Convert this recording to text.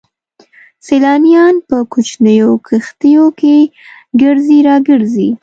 سيلانيان په کوچنيو کښتيو کې ګرځي را ګرځي.